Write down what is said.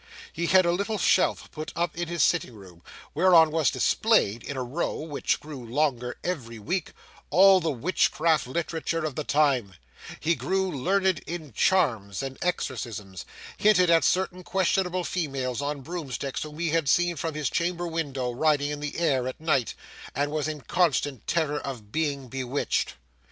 He had a little shelf put up in his sitting room, whereon was displayed, in a row which grew longer every week, all the witchcraft literature of the time; he grew learned in charms and exorcisms, hinted at certain questionable females on broomsticks whom he had seen from his chamber window, riding in the air at night, and was in constant terror of being bewitched.